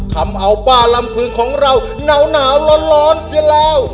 ทำเอาป้าลำพึงของเราหนาวร้อนเสียแล้ว